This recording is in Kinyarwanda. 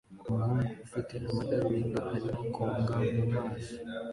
Umuhungu ufite amadarubindi arimo koga mumazi